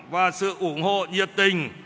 và sự ủng hộ nhiệt tình